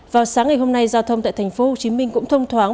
vào sáng ngày hôm nay giao thông tại thành phố hồ chí minh cũng thông thoáng